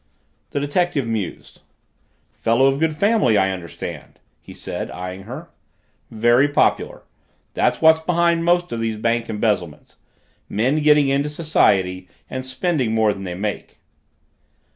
The detective mused. "Fellow of good family, I understand," he said, eyeing her. "Very popular. That's what's behind most of these bank embezzlements men getting into society and spending more than they make."